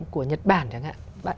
của nhật bản chẳng hạn